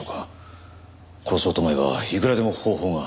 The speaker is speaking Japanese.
殺そうと思えばいくらでも方法が。